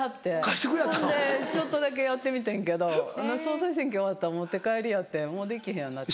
そんでちょっとだけやってみてんけど総裁選挙終わったら持って帰りよってもうできへんようなって。